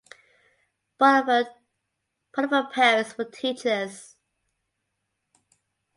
Both of her parents were teachers.